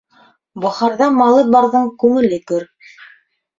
Бохарҙа малы барҙың күңеле көр.